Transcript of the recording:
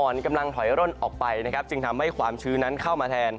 กำลังถอยร่นออกไปนะครับจึงทำให้ความชื้นนั้นเข้ามาแทน